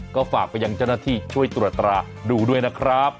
ก็ฝากไปยังเจ้าหน้าที่ช่วยตรวจตราดูด้วยนะครับ